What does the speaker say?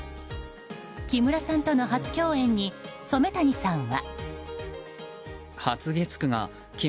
木村さんとの初共演に染谷さんは。